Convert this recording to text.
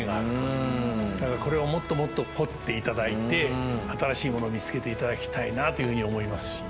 だからこれをもっともっと掘って頂いて新しいものを見つけて頂きたいなというふうに思いますし。